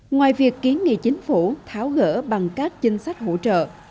ngoài việc kiến nghị chính phủ tháo gỡ bằng các chính sách hỗ trợ